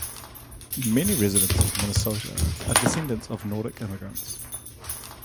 Many residents of Minnesota are the descendants of Nordic immigrants.